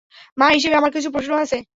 মা হিসেবে আমার কিছু প্রশ্ন আছে।